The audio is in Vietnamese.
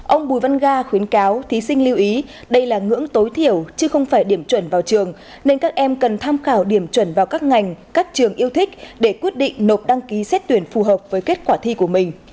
ông bùi văn ga khuyến cáo thí sinh lưu ý đây là ngưỡng tối thiểu chứ không phải điểm chuẩn vào trường nên các em cần tham khảo điểm chuẩn vào các ngành các trường yêu thích để quyết định nộp đăng ký xét tuyển phù hợp với kết quả thi của mình